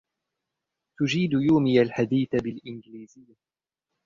تجيد يومي الحديث بالإنجليزية.